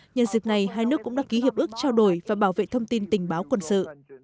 nhân dịp này hai nước cũng đã ký hiệp ước trao đổi và bảo vệ thông tin tình báo quân sự